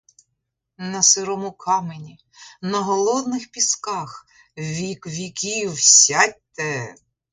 На сирому камені, на голодних пісках, вік віків сядьте!